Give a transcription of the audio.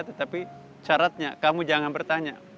tetapi syaratnya kamu jangan bertanya